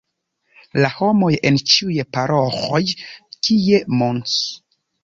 La homoj en ĉiuj paroĥoj, kie Mons.